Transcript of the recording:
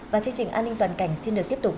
và chương trình an ninh toàn cảnh xin được tiếp tục